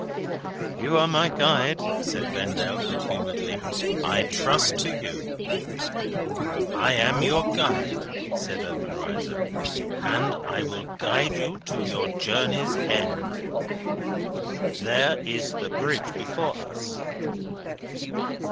"You are my Guide," said Vendale, good humouredly. "I trust to you." "I am your Guide," said Obenreizer, "and I will guide you to your journey's end. There is the Bridge before us."